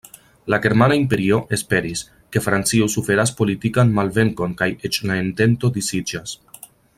La Germana Imperio esperis, ke Francio suferas politikan malvenkon kaj eĉ la entento disiĝas.